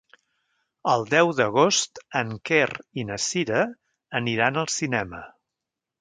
El deu d'agost en Quer i na Cira aniran al cinema.